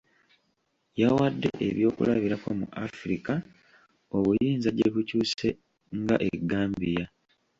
Yawade ebyokulabirako mu Africa obuyinza gye bukyuse nga e Gambia.